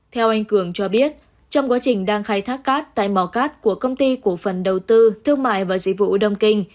theo anh cường cho biết trong quá trình đang khai thác cát tại mò cát của công ty cổ phần đầu tư thương mại và dịch vụ đông kinh